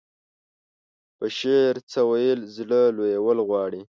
په شعر څه ويل زړه لويول غواړي.